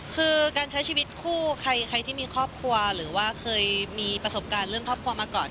คือการใช้ชีวิตคู่ใครที่มีครอบครัวหรือว่าเคยมีประสบการณ์เรื่องครอบครัวมาก่อน